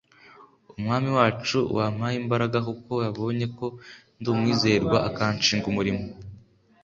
umwami wacu wampaye imbaraga kuko yabonye ko ndi uwizerwa akanshinga umurimo